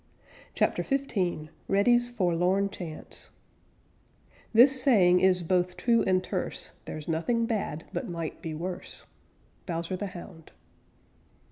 CHAPTER XV REDDY'S FORLORN CHANCE This saying is both true and terse: There's nothing bad but might be worse. _Bowser the Hound.